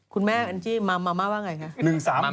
คุณแม่อันที่มามามาว่าอย่างไรคะ